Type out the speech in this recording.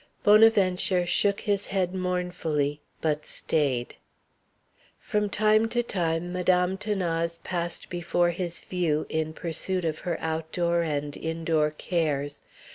Bonaventure shook his head mournfully, but staid. From time to time Madame 'Thanase passed before his view in pursuit of her outdoor and indoor cares.